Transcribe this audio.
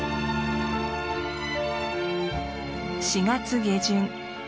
４月下旬。